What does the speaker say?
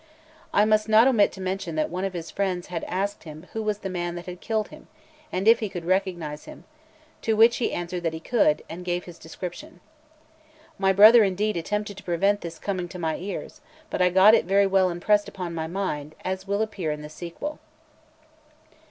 I must not omit to mention that one of his friends had asked him who the man was that had killed him, and if he could recognise him; to which he answered that he could, and gave his description. My brother, indeed, attempted to prevent this coming to my ears; but I got it very well impressed upon my mind, as will appear in the sequel.